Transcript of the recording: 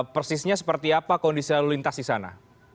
persisnya seperti apa kondisi lalu lintas di sana